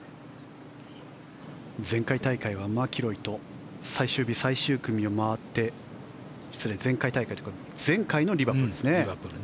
前回大会はマキロイと最終日、最終組を回って失礼、前回大会というか前回のリバプールですね。